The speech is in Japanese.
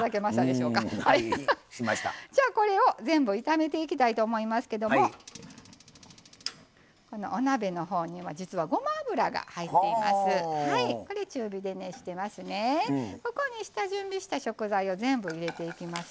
これを全部炒めていきたいと思いますけどお鍋のほうには実はごま油が入っています。